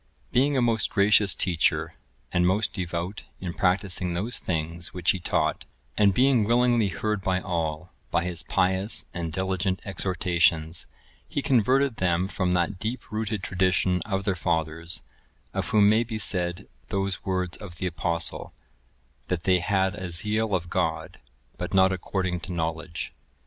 Being a most gracious teacher, and most devout in practising those things which he taught, and being willingly heard by all, by his pious and diligent exhortations, he converted them from that deep rooted tradition of their fathers, of whom may be said those words of the Apostle, "That they had a zeal of God, but not according to knowledge."